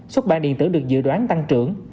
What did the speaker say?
xuất bản điện tử được dự đoán tăng trưởng